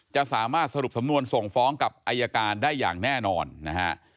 จะสามารถสรุปสำนวนส่งฟ้องกับอายการได้อย่างแน่นอนนะฮะ